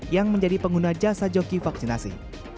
yang menjadi pengguna jasa joki vaksinasi